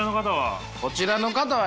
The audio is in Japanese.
こちらの方は？